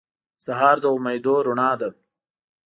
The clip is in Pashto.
سهار د امیدونو رڼا ده.